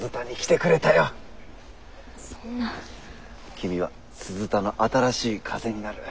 君は鈴田の新しい風になる。